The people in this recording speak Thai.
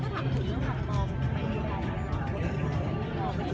แม่กับผู้วิทยาลัย